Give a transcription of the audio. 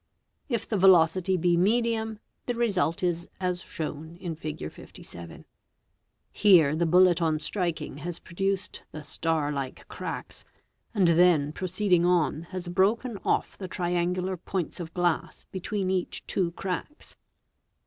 If the velocity be medium, the result 3 pas shown in Fig. 57. Here the bullet on striking has produced the ar like cracks, and then proceeding on has broken off the triangular sints of glass between each two cracks.